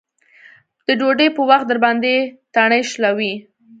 د ډوډۍ په وخت درباندې تڼۍ شلوي.